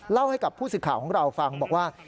เล่าให้กับผู้สื่อข่าวของเราฟังบอกว่า